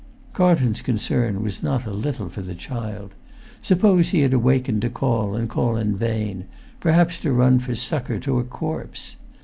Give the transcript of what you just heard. Carlton's concern was not a little for the child. Suppose he had awakened to call and call in vain—perhaps to run for succour to a corpse!